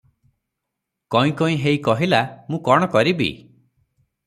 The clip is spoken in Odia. କଇଁ କଇଁ ହେଇ କହିଲା, ମୁଁ କଣ କରିବି?